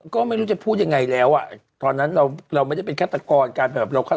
ก็ไม่รู้จะพูดยังไงแล้วตอนนั้นเราไม่ได้เป็นฆาตกร